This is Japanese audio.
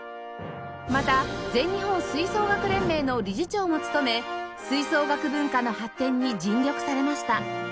また全日本吹奏楽連盟の理事長も務め吹奏楽文化の発展に尽力されました